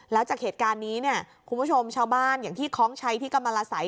แล้วจากเหตุการณ์นี้เนี่ยคุณผู้ชมชาวบ้านอย่างที่คล้องชัยที่กำลังละสัย